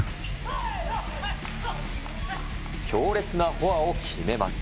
強烈なフォアを決めます。